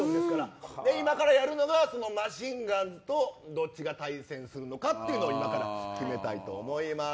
今からやるのがそのマシンガンズとどっちが対戦するのかというのを今から決めたいと思います。